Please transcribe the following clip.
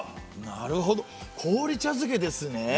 なるほど氷茶漬けですね！